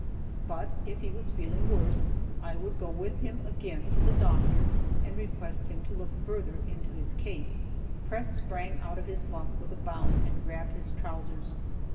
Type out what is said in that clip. But, if he was feeling worse, I would go with him again to the doctor, and request him to look further into his case. Press sprang out of his bunk with a bound, and grabbed his trousers.